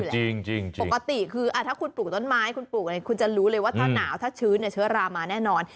โจรปกติคือถ้าคุณปลูกต้นไม้คุณจะรู้เลยว่าถ้าหนาวถ้าชื้นเนี่ยเชื้อลามมันมาแน่นอน